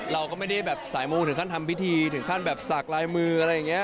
เราก็ไม่ได้แบบสายมูถึงขั้นทำพิธีถึงขั้นแบบสากลายมืออะไรอย่างนี้